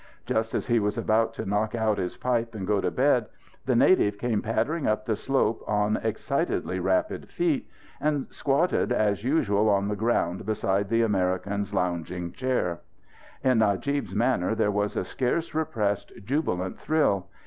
Just as he was about to knock out his pipe and go to bed, the native came pattering up the slope on excitedly rapid feet; and squatted as usual on the ground beside the American's lounging chair. In Najib's manner there was a scarce repressed jubilant thrill.